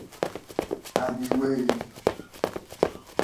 Vitali convergence theorem generalizes Lebesgue's dominated convergence theorem.